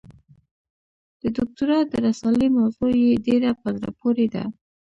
د دوکتورا د رسالې موضوع یې ډېره په زړه پورې ده.